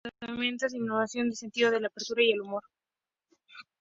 En sus obras predomina la imaginación, el sentido de la aventura y el humor.